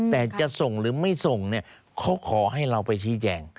แต่จะส่งหรือไม่ส่งเนี่ยเขาขอให้เราไปชี้แจง